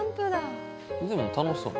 でも楽しそう。